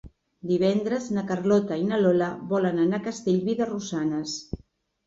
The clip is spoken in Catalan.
Divendres na Carlota i na Lola volen anar a Castellví de Rosanes.